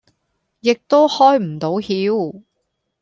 亦都開唔到竅